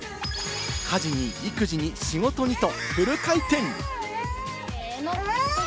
家事に育児に仕事にとフル回転！